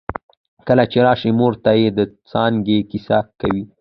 کله چې راشې مور ته يې د څانګې کیسه کوي